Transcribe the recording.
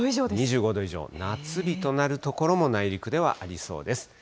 ２５度以上、夏日となる所も内陸ではありそうです。